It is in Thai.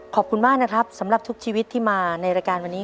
ขอบคุณมากนะครับสำหรับทุกชีวิตที่มาในรายการวันนี้